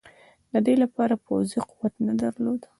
د دې لپاره پوځي قوت نه درلود.